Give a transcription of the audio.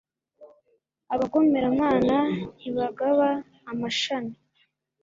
abagomeramana ntibagaba amashami